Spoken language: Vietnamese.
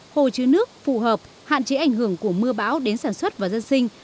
hồ chứa nước phù hợp hạn chế ảnh hưởng của mưa bão đến sản xuất và dân sinh